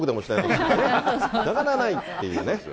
つながらないっていうね。